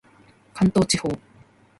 関東地方